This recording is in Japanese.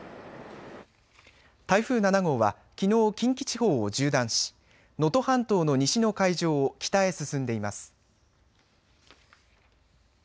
台風７号はきのう近畿地方を縦断し能登半島の西の海上を北へ進んでいます。